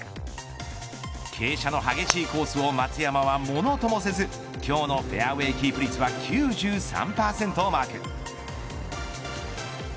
傾斜の激しいコースを松山はものともせず￥今日のフェアウェイキープ率は９３％をマーク。